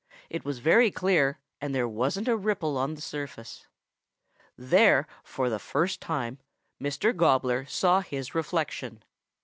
It was very clear, and there wasn't a ripple on the surface. There for the first time Mr. Gobbler saw his reflection.